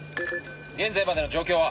現在までの状況は？